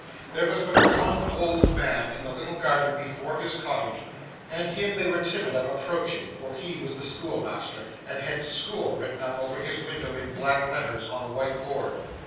There was but one old man in the little garden before his cottage, and him they were timid of approaching, for he was the schoolmaster, and had 'School' written up over his window in black letters on a white board.